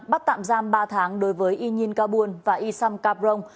bắt tạm giam ba tháng đối với y nhiên cao buôn và y sam cao brông